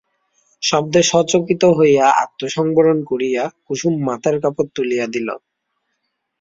শব্দে সচকিত হইয়া আত্মসংবরণ করিয়া কুসুম মাথার কাপড় তুলিয়া দিল।